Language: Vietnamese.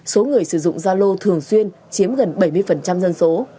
số người sử dụng gia lô thường xuyên chiếm gần bảy mươi dân số